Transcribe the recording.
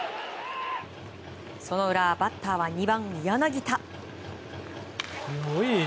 その裏、バッターは２番、柳田。